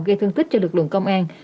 gây thương tích cho lực lượng công an